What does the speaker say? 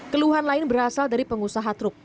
keluhan lain berasal dari pengusaha truk